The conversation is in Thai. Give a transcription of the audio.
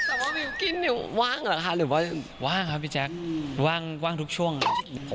แต่ว่าวิวกินเนี่ยว่างหรือว่าว่างครับพี่แจ๊คว่างทุกช่วงครับ